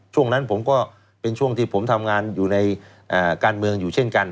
ช่วงนั้นผมก็เป็นช่วงที่ผมทำงานอยู่ในการเมืองอยู่เช่นกัน